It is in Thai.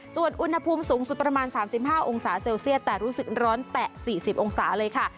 ส่วนอุณหภูมิสูงสุดประมาณ๓๕องศาเซลเซียสแต่รู้สึกร้อนแตะ๔๐องศาเลยค่ะ